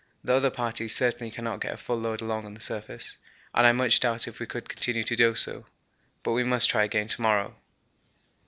The other parties certainly cannot get a full load along on the surface, and I much doubt if we could continue to do so, but we must try again to morrow.